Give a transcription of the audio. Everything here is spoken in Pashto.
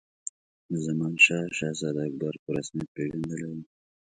زمانشاه شهزاده اکبر په رسمیت پېژندلی وو.